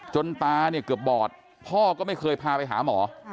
ตาเนี่ยเกือบบอดพ่อก็ไม่เคยพาไปหาหมอ